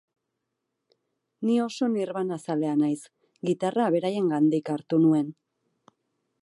Ni oso nirvanazalea naiz, gitarra beraiengatik hartu nuen.